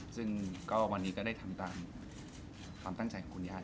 ซึ่งก็วันนี้ก็ได้ทำตามความตั้งใจของคุณญาติ